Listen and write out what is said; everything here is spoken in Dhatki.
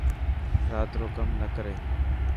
رات رو ڪم نه ڪر.